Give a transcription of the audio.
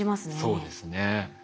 そうですね。